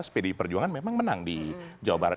dua ribu empat belas pede perjuangan memang menang di jawa barat